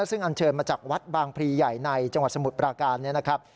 ซึ่งอันเชิญมาจากวัดบางพรีใหญ่ในจังหวัดสมุทรปราการเนี่ยนะครับ